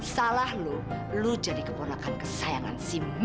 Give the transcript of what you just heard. salah lu lu jadi keponakan kesayangan si mary